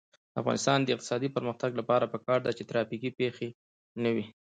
د افغانستان د اقتصادي پرمختګ لپاره پکار ده چې ترافیکي پیښې نه وي.